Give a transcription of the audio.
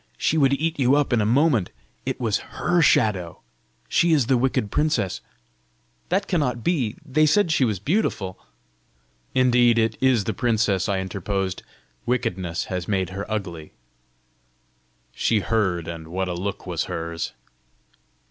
"She would eat you up in a moment! It was HER shadow! She is the wicked princess!" "That cannot be! they said she was beautiful!" "Indeed it is the princess!" I interposed. "Wickedness has made her ugly!" She heard, and what a look was hers!